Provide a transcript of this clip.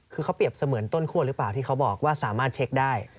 คือเขาเปรียบเสมือนต้นคั่วหรือเปล่าที่เขาบอกว่าสามารถเช็คได้